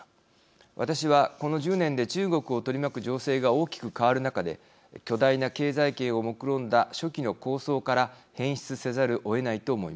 私はこの１０年で中国を取り巻く情勢が大きく変わる中で巨大な経済圏をもくろんだ初期の構想から変質せざるをえないと思います。